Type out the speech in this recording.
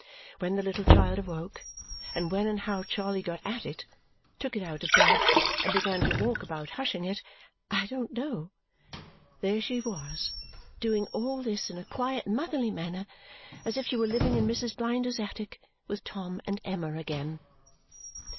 When the little child awoke, and when and how Charley got at it, took it out of bed, and began to walk about hushing it, I don't know. There she was, doing all this in a quiet motherly manner as if she were living in Mrs. Blinder's attic with Tom and Emma again.